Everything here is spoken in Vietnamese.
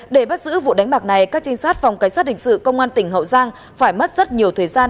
để bắt giữ vụ đánh bạc này các trinh sát phòng cảnh sát hình sự công an tỉnh hậu giang phải mất rất nhiều thời gian